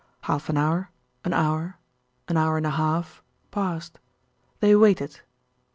Half an hour, an hour, an hour and a half passed. They waited.